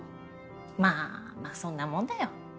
まあまあそんなもんだよ。